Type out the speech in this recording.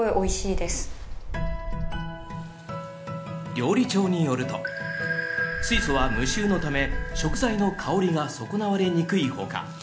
料理長によると水素は無臭のため食材の香りが損なわれにくいほか